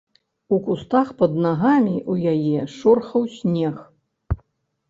У кустах пад нагамі ў яе шорхаў снег.